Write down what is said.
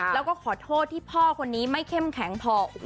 แล้วก็ขอโทษที่พ่อคนนี้ไม่เข้มแข็งพอ